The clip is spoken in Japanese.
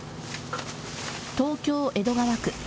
東京・江戸川区。